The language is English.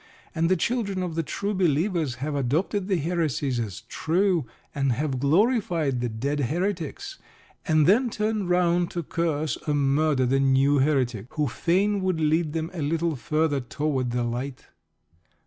And the children of the "True Believers" have adopted the heresies as true, and have glorified the dead Heretics, and then turned round to curse or murder the new Heretic who fain would lead them a little further toward the light.